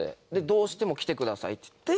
どうしても来てくださいっつって。